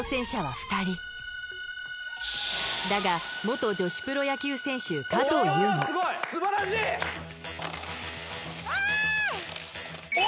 だが元女子プロ野球選手加藤優もああ！